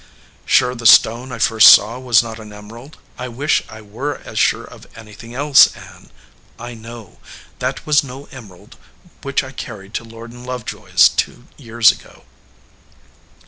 "Sure that the stone I first saw was not an em erald? I wish I were as sure of anything else. Ann, I know. That was no emerald which I car ried to Lord & Lovejoy s two years ago."